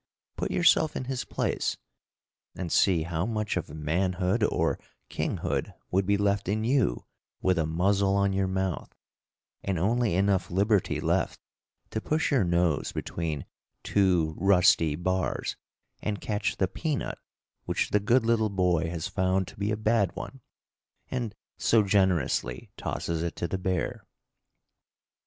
Put yourself in his place and see how much of manhood or kinghood would be left in you with a muzzle on your mouth, and only enough liberty left to push your nose between two rusty bars and catch the peanut which the good little boy has found to be a bad one and so generously tosses it to the bear.